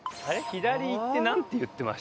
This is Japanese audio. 左行ってなんて言ってましたっけ？